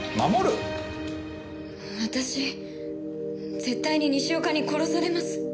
私絶対に西岡に殺されます。